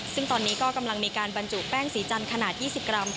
ซึ่งตอนนี้ก็กำลังมีการบรรจุแป้งสีจันทร์ขนาด๒๐กรัม